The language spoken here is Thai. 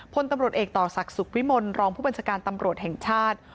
พลตำรวจเอกต่อศักดิ์สุขวิมลรองผู้บัญชาการตำรวจแห่งชาติ